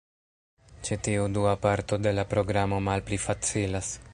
Ĉi tiu dua parto de la programo malpli facilas.